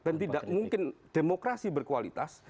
dan tidak mungkin demokrasi berkualitas